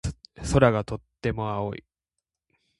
空がとても青い。